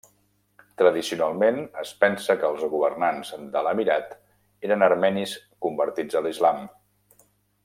Tradicionalment es pensa que els governants de l'emirat eren armenis convertits a l'islam.